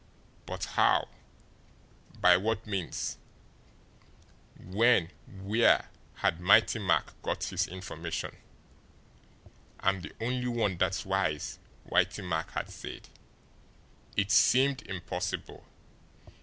But how, by what means, when, where had Whitey Mack got his information? "I'm the only one that's wise," Whitey Mack had said. It seemed impossible.